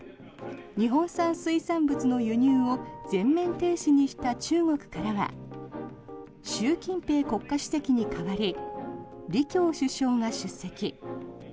日本産水産物の輸入を全面停止にした中国からは習近平国家主席に代わり李強首相が出席。